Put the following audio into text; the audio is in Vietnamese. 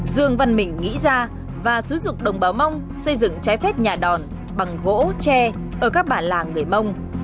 dương văn mình nghĩ ra và xúi dục đồng báo mông xây dựng trái phép nhà đòn bằng gỗ tre ở các bản làng người mông